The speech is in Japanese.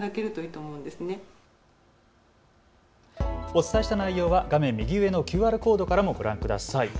お伝えした内容は画面右上のＱＲコードからもご覧ください。